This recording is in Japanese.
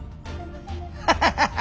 ハハハハ！